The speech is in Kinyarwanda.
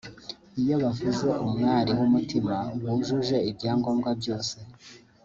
Iyo bavuze umwali w’umutima wujuje ibyangombwa byose